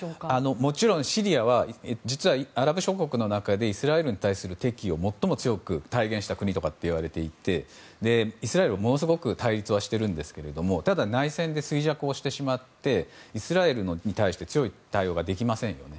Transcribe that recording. もちろんシリアは実はアラブ諸国の中でイスラエルに対する敵意を最も強く体現した国だといわれていてイスラエル、ものすごく対立はしているんですがただ、内戦で衰弱をしてしまってイスラエルに対して強い対応ができませんよね。